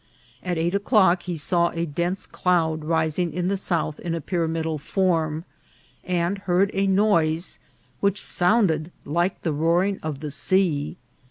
At eight o'clock he saw a dense cloud rising in the south in a pyramidal form, and heard a noise which sounded like the roaring of the sea.